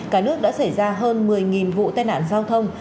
cả nước đã xảy ra hơn một mươi vụ tai nạn giao thông